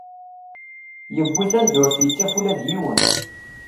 Yewwi-t anda ur t-yettaf ula d yiwen.